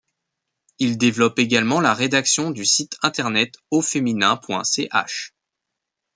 Il développe également la rédaction du site internet aufeminin.ch.